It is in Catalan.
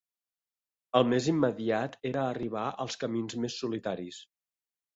El més immediat era arribar als camins més solitaris.